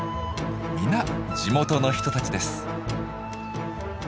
皆地元の人たちです。